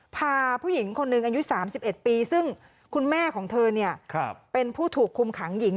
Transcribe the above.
พาผู้หญิงคนหนึ่งอายุ๓๑ปีซึ่งคุณแม่ของเธอเป็นผู้ถูกคุมขังหญิง